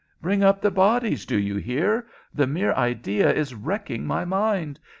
Bring up the bodies! Do you hear? The mere idea is wrecking my mind.